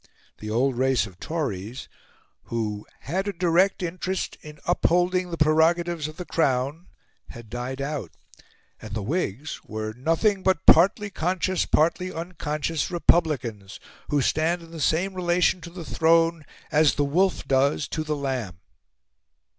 The old race of Tories, who "had a direct interest in upholding the prerogatives of the Crown," had died out; and the Whigs were "nothing but partly conscious, partly unconscious Republicans, who stand in the same relation to the Throne as the wolf does to the lamb."